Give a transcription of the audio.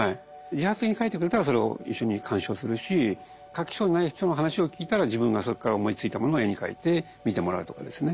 自発的に描いてくれたらそれを一緒に鑑賞するし描きそうにない人の話を聞いたら自分がそこから思いついたものを絵に描いて見てもらうとかですね